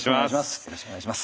よろしくお願いします。